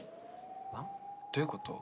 ワン？どういうこと？